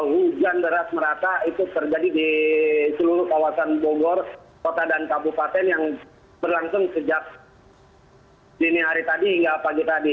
hujan deras merata itu terjadi di seluruh kawasan bogor kota dan kabupaten yang berlangsung sejak dini hari tadi hingga pagi tadi